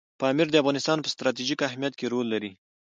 پامیر د افغانستان په ستراتیژیک اهمیت کې رول لري.